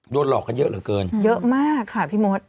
โดนหลอกกันเยอะเหลือเกินเยอะมากค่ะพี่มด